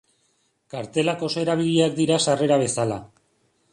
Kartelak oso erabiliak dira sarrera bezala.